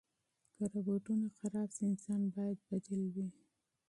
که روبوټونه خراب شي، انسان باید بدیل وي.